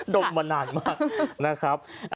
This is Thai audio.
ดมมานานมากนะครับ